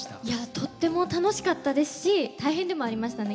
とっても楽しかったですし大変でもありましたね。